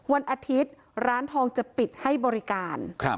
วันอาทิตย์ร้านทองจะปิดให้บริการ